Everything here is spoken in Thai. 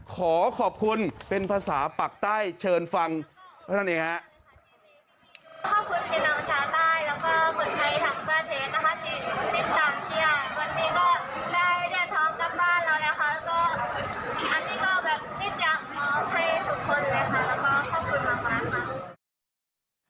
ขอขอบคุณเป็นภาษาปักใต้เชิญฟังเพราะฉะนั้นอย่างนี้ครับ